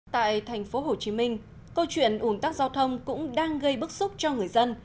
tại thành phố hồ chí minh câu chuyện ủn tắc giao thông cũng đang gây bức xúc cho người dân